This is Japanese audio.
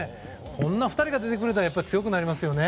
こんな２人が出てくれたら強くなりますよね。